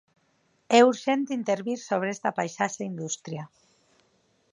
É urxente intervir sobre esta paisaxe industria.